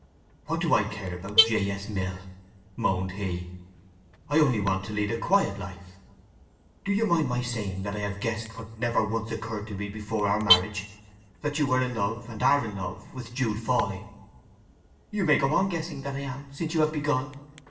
"What do I care about J. S. Mill!" moaned he. "I only want to lead a quiet life! Do you mind my saying that I have guessed what never once occurred to me before our marriage—that you were in love, and are in love, with Jude Fawley!" "You may go on guessing that I am, since you have begun.